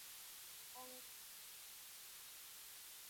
uongeza kuwa anauhakika nchi ya marekani